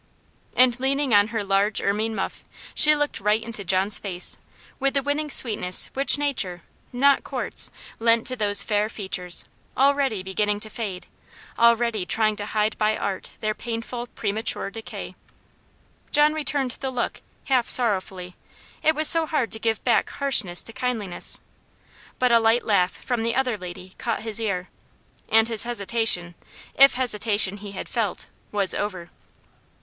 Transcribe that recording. And leaning on her large ermine muff, she looked right into John's face, with the winning sweetness which Nature, not courts, lent to those fair features already beginning to fade, already trying to hide by art their painful, premature decay. John returned the look, half sorrowfully; it was so hard to give back harshness to kindliness. But a light laugh from the other lady caught his ear, and his hesitation if hesitation he had felt was over.